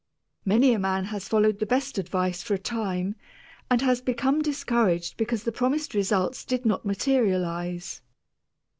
Many a man has followed the best of advice for a time, and has become discouraged because the promised results did not materialize.